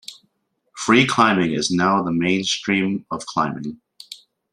Free climbing is now the mainstream of climbing.